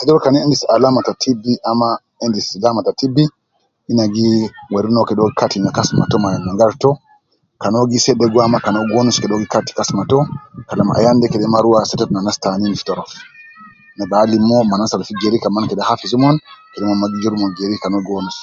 Ajol kan endis alama ta TB ama endis lama ta TB,ina gi, weri no kede uwo Kati kasma to ma nyangaratu to kan uwo gi sedegu ama kan uwo gi wonus kede uwo gi Kati kasma to kalam ayan de kede ma rua setetu ne anas tanin fi torof, na bi alim uwo ma ana sal fi geri mo kaman kede hafiz omon kede mon ma gi juru omon geri kan uwo gi wonus